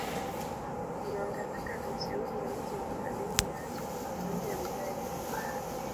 Zinaongezeka halmashauri ya mji wa Handeni na halmashauri ya wilaya ya Handeni